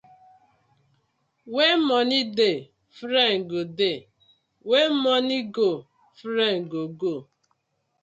When money dey, friend go dey, when money go, friend go go.